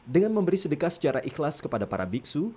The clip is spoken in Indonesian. dengan memberi sedekah secara ikhlas kepada para biksu